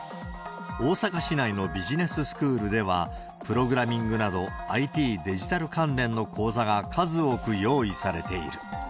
大阪市内のビジネススクールでは、プログラミングなどＩＴ・デジタル関連の講座が数多く用意されている。